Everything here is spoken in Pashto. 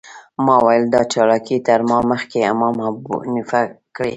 ما ویل دا چالاکي تر ما مخکې امام ابوحنیفه کړې.